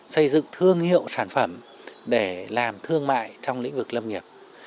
xây dựng thương hiệu sản phẩm để làm thương mại trong lĩnh vực lâm nghiệp